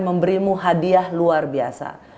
memberimu hadiah luar biasa